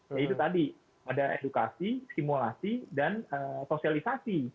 yaitu tadi ada edukasi simulasi dan sosialisasi